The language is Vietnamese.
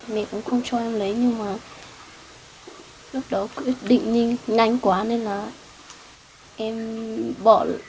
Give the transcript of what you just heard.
mẹ cũng không cho em lấy nhưng mà lúc đó quyết định nhanh quá nên là